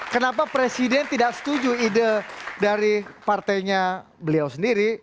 kenapa presiden tidak setuju ide dari partainya beliau sendiri